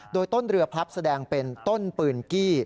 โดยต้นเรือพลับแสดงเป็นต้นปืนกี้